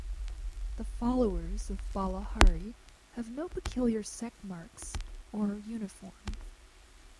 The followers of Bala Hari have no peculiar sect marks or uniform.